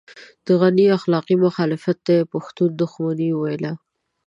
د غني اخلاقي مخالفت ته يې پښتون دښمني ويله.